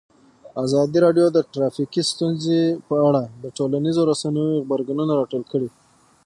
ازادي راډیو د ټرافیکي ستونزې په اړه د ټولنیزو رسنیو غبرګونونه راټول کړي.